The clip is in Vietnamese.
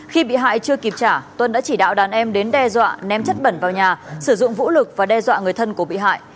khi bị hại chưa kịp trả tuân đã chỉ đạo đàn em đến đe dọa ném chất bẩn vào nhà sử dụng vũ lực và đe dọa người thân của bị hại